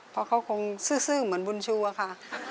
เพราะเขาคงซื่อเหมือนบุญชูอะค่ะ